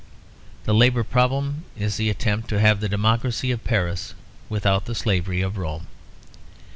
The Labour problem is the attempt to have the democracy of Paris without the slavery of Rome.